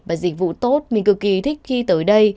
và dịch vụ tốt mình cực kỳ thích khi tới đây